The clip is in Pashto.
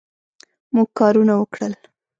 موږ کارونه وکړل